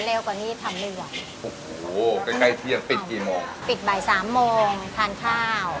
จนวันนี้หาเรียนดูตัวเองในขณะนี้เนี่ยรู้สึกยังไงบ้างครับ